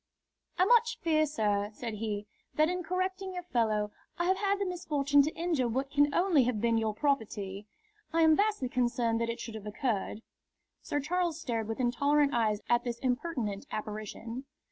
"I much fear, sir," said he, "that in correcting your fellow I have had the misfortune to injure what can only have been your property. I am vastly concerned that it should have occurred." Sir Charles stared with intolerant eyes at this impertinent apparition.